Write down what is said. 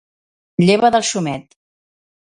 Lleva del xumet.